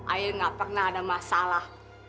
ayah gak pernah ada masalah